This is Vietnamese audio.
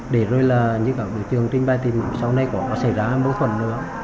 để rồi là như cả đội trường trình bài tìm sau này có xảy ra mâu thuẫn nữa